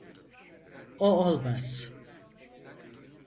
O olmaz!